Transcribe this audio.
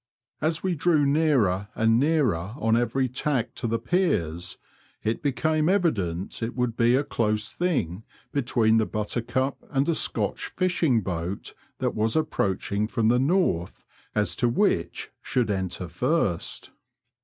As we drew nearer and nearer on every tack to the piers, it became evident it would be a close thing between the Buttercup and a Scotch fishing boat that was approaching from the north as to which should enter first.